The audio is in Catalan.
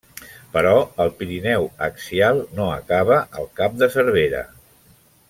Però el Pirineu axial no acaba al cap de Cervera.